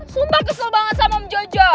sumba kesel banget sama om jojo